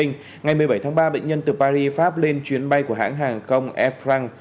ngày một mươi bảy tháng ba bệnh nhân từ paris pháp lên chuyến bay của hãng hàng không air france